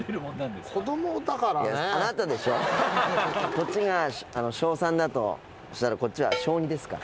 こっちが小３だとしたらこっちは小２ですから。